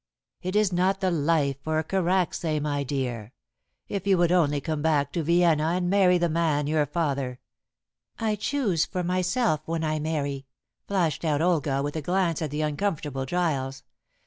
"It is not the life for a Karacsay, my dear. If you would only come back to Vienna and marry the man your father " "I choose for myself when I marry," flashed out Olga, with a glance at the uncomfortable Giles.